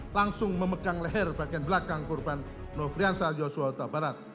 langsung memegang leher bagian belakang korban nofriansah yosua utabarat